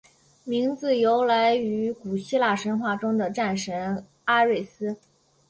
名字由来于古希腊神话中的战神阿瑞斯。